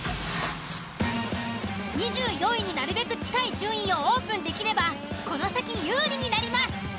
２４位になるべく近い順位をオープンできればこの先有利になります。